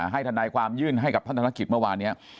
ให้ท่านนายความยื่นให้กับท่านธนกฤษเมื่อวานเนี่ย